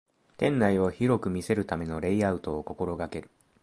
店内を広く見せるためのレイアウトを心がける